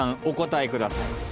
お答えください。